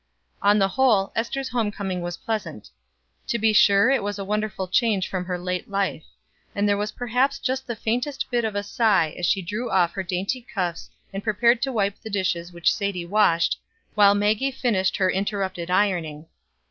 On the whole, Ester's home coming was pleasant. To be sure it was a wonderful change from her late life; and there was perhaps just the faintest bit of a sigh as she drew off her dainty cuffs and prepared to wipe the dishes which Sadie washed, while Maggie finished her interrupted ironing.